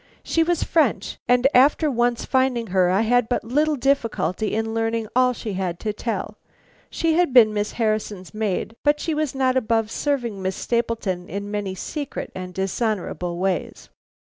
"She was French, and after once finding her, I had but little difficulty in learning all she had to tell. She had been Miss Harrison's maid, but she was not above serving Miss Stapleton in many secret and dishonorable ways.